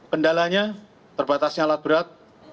kendalanya terbatasnya alat berat